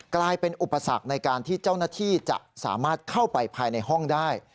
กลายเป็นอุปสรรคในการที่เจ้าหน้าที่จะสามารถเข้าไปภายในห้องได้